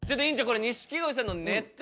この錦鯉さんのネタ